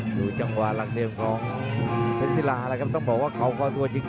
ดูจังหวะรักเด็นของซาลาก็ต้องบอกว่าเขาขวาตัวจริง